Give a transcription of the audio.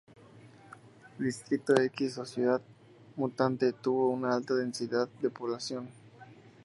Distrito X, o "Ciudad Mutante", tuvo una alta densidad de población.